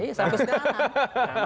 iya satu segala